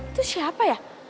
itu siapa ya